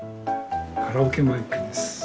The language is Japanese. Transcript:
カラオケマイクです。